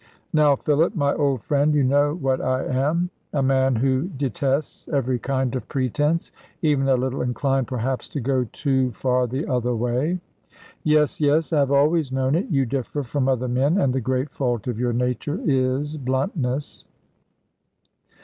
"Now, Philip, my old friend, you know what I am. A man who detests every kind of pretence. Even a little inclined perhaps to go too far the other way." "Yes, yes; I have always known it. You differ from other men; and the great fault of your nature is bluntness."